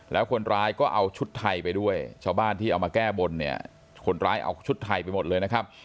แล้วคนร้ายก็เอาชุดไทยไปด้วยชาวบ้านที่เอามาแก้บนเนี่ยคนร้ายเอาชุดไทยไปหมดเลยนะครับ